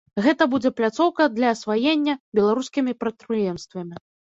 Гэта будзе пляцоўка для асваення беларускімі прадпрыемствамі.